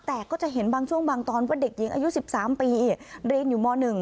แต่ก็จะเห็นบางช่วงบางตอนว่าเด็กหญิงอายุ๑๓ปีเรียนอยู่ม๑